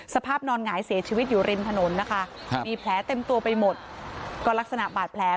สภาพนอนหงายเสียชีวิตอยู่ริมถนนนะคะมีแผลเต็มตัวไปหมดก็ลักษณะบาดแผล